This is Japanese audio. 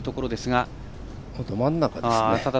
ど真ん中ですね。